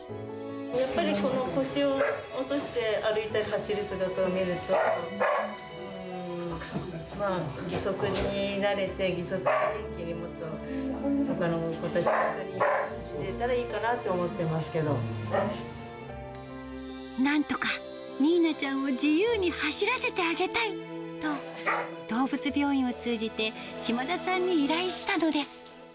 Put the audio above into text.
やっぱり腰を落として歩いたり走る姿を見ると、うーん、義足に慣れて、義足で元気に、ほかの子たちと一緒に走れたらいいかなと思ってまなんとか、ニーナちゃんを自由に走らせてあげたいと、動物病院を通じて、島田さんに依頼したのです。